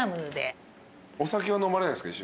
お酒は飲まれないですか？